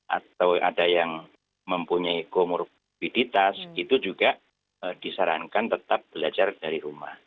atau ada yang mempunyai komorbiditas itu juga disarankan tetap belajar dari rumah